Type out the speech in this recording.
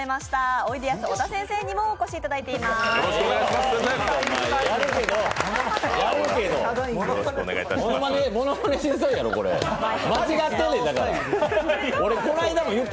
おいでやす小田先生にもお越しいただきました。